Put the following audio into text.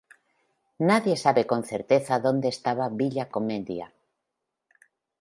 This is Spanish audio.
Nadie sabe con certeza dónde estaba Villa Commedia.